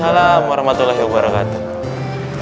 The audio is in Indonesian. waalaikumsalam warahmatullahi wabarakatuh